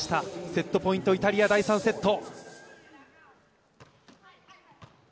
セットポイント、イタリア、第３セット。